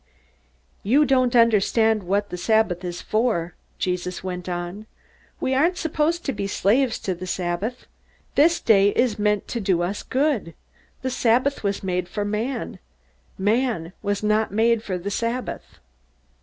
"You don't understand what the Sabbath is for," Jesus went on. "We aren't supposed to be slaves to the Sabbath; this day is meant to do us good. The Sabbath was made for man; man was not made for the Sabbath."